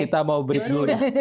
kita mau break dulu deh